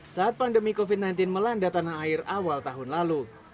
saat pandemi covid sembilan belas melanda tanah air awal tahun lalu